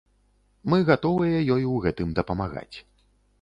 Мы гатовыя ёй у гэтым дапамагаць.